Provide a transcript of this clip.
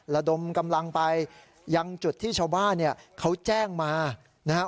ระดมกำลังไปยังจุดที่ชาวบ้านเนี่ยเขาแจ้งมานะครับ